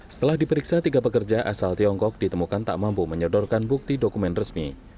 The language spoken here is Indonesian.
setelah diperiksa tiga pekerja asal tiongkok ditemukan tak mampu menyodorkan bukti dokumen resmi